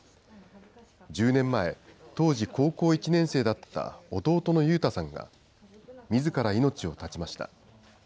１０年前、当時、高校１年生だった弟の悠太さんが、みずから命を絶ちました。